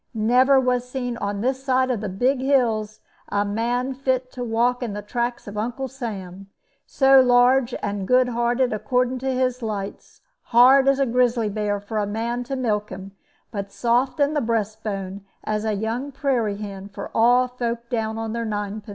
Never was seen on this side of the big hills a man fit to walk in the tracks of Uncle Sam, so large and good hearted according to his lights, hard as a grizzly bear for a man to milk him, but soft in the breastbone as a young prairie hen for all folk down upon their nine pins.